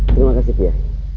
terima kasih pia